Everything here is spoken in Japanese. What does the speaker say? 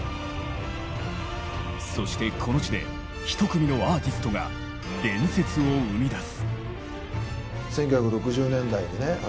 そしてこの地で１組のアーティストが伝説を生みだす。